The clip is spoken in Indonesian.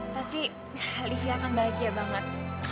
pasti olivia akan bahagia banget